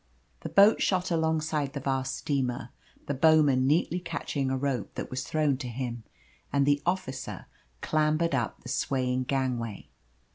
The boat shot alongside the vast steamer the bowman neatly catching a rope that was thrown to him and the officer clambered up the swaying gangway.